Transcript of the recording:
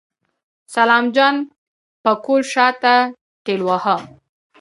سلام جان پکول شاته ټېلوهه.